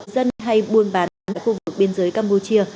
dân hay buôn bán khu vực biên giới campuchia